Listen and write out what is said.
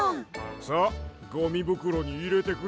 さあゴミぶくろにいれてくれ。